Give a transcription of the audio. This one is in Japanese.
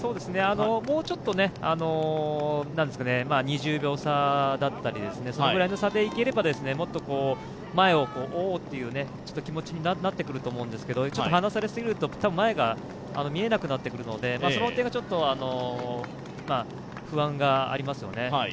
もうちょっと、２０秒差だったりそのぐらいの差でいければもっと前を追おうという気持ちになってくると思うんですけれども、ちょっと離されすぎると前が見えなくなってくるので、その点がちょっと不安がありますよね。